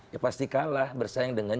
ya pasti kalah bersaing dengan